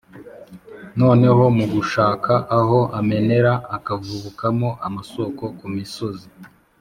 noneho mu gushaka aho amenera akavubukamo amasoko ku misozi.